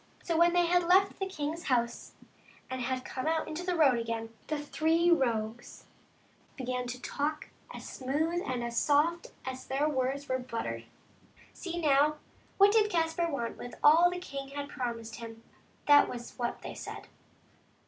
So when they had left the king's house and had come out into the road again, the three rogues began to talk as smooth and as soft as though their words were buttered. See, now, what did Caspar want with all that the king had promised him ; that was what they said.